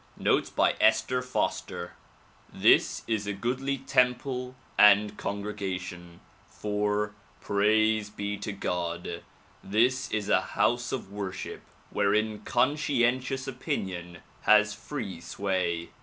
Notes by Esther Foster THIS is a goodly temple and congregation, for — Praise be to God !— this is a house of worship wherein conscientious opinion has free sway.